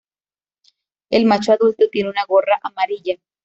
El macho adulto tiene una gorra amarilla.